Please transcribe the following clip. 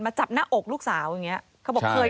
มาจับหน้าอกลูกสาวอย่างนี้